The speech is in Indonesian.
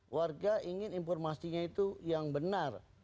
warga ingin informasinya itu yang benar